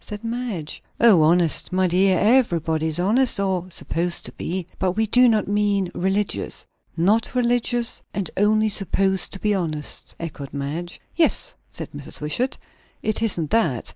said Madge. "O, honest! My dear, everybody is honest, or supposed to be; but we do not mean religious." "Not religious, and only supposed to be honest!" echoed Madge. "Yes," said Mrs. Wishart. "It isn't that.